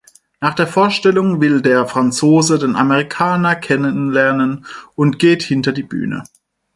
Nach der Vorstellung will der Franzose den Amerikaner kennenlernen und geht hinter die Bühne.